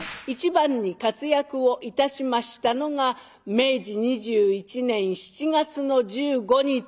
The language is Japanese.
一番に活躍をいたしましたのが明治２１年７月の１５日。